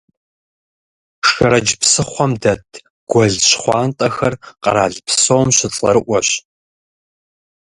Шэрэдж псыхъуэм дэт Гуэл щхъуантӀэхэр къэрал псом щыцӀэрыӀуэщ.